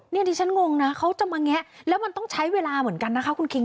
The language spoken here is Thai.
นี่ดิฉันงงนะเขาจะมาแงะแล้วมันต้องใช้เวลาเหมือนกันนะคะคุณคิง